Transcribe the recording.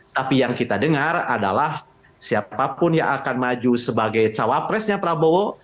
tapi yang kita dengar adalah siapapun yang akan maju sebagai cawapresnya prabowo